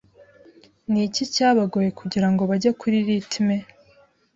N’iki cyabagoye kugira ngo bajye kuri rthyme